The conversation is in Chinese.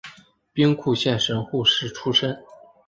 兵库县神户市出身。